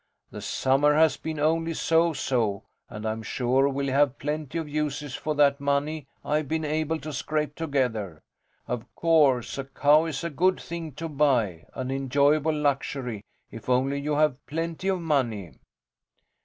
The summer has been only so so, and I'm sure we'll have plenty of uses for what money I've been able to scrape together. Of course, a cow is a good thing to buy, an enjoyable luxury, if only you have plenty of money.